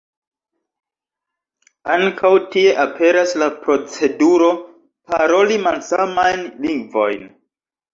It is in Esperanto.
Ankaŭ tie aperas la proceduro paroli malsamajn lingvojn.